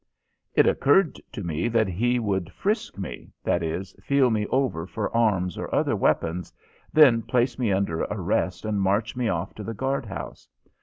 It occurred to me that he would "frisk" me that is, feel me over for arms or other weapons, then place me under arrest and march me off to the guard house.